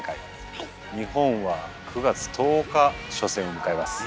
日本は９月１０日初戦を迎えます。